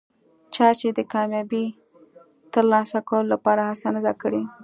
چا چې د کامیابۍ ترلاسه کولو لپاره هڅه نه ده کړي.